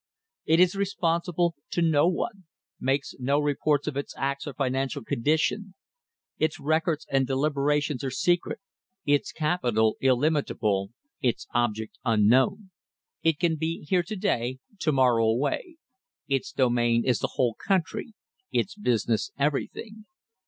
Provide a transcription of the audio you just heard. It is responsible to no one; makes no reports of its acts or financial condition; its records and delibera tions are secret; its capital illimitable; its object unknown. It can be here to day, to morrow away. Its domain is the whole country; its business everything.